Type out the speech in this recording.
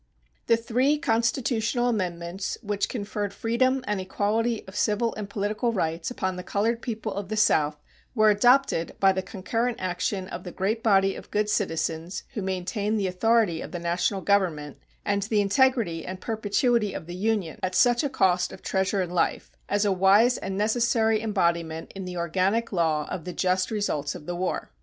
The three constitutional amendments which conferred freedom and equality of civil and political rights upon the colored people of the South were adopted by the concurrent action of the great body of good citizens who maintained the authority of the National Government and the integrity and perpetuity of the Union at such a cost of treasure and life, as a wise and necessary embodiment in the organic law of the just results of the war.